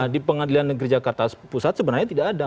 di pengadilan negeri jakarta pusat sebenarnya tidak ada